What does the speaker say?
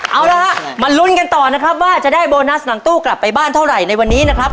เอาละฮะมาลุ้นกันต่อนะครับว่าจะได้โบนัสหลังตู้กลับไปบ้านเท่าไหร่ในวันนี้นะครับ